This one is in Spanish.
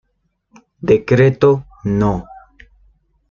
Decreto No.